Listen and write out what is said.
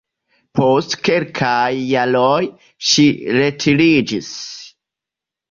Post kelkaj jaroj ŝi retiriĝis.